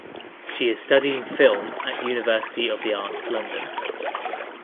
She is studying film at University of the Arts London.